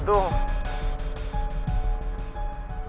itu hal ini apa